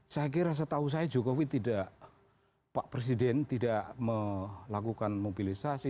saya kira setahu saya jokowi tidak pak presiden tidak melakukan mobilisasi